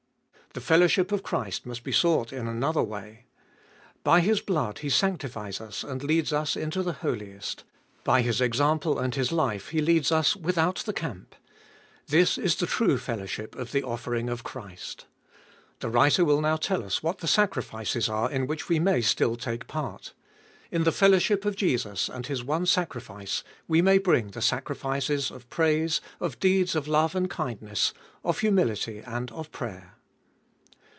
The fellowship of Christ must be sought in another way. By His blood He sanctifies us and leads us into the Holiest ; by His example and His life He leads us without the camp. This is the true fellowship of the offering of Christ. The writer will now tell us what the sacrifices are in which we may still take part. In the fellowship of Jesus and His one sacrifice, we may bring the sacrifices of praise, of deeds of love and kindness, of humility and of prayer.